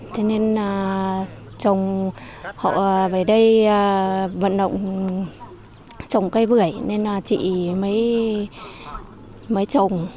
thế nên chồng họ về đây vận động trồng cây bưởi nên là chị mới trồng